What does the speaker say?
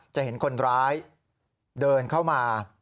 จะเห็นคนร้ายเดินเข้ามา